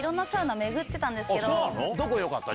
どこよかった？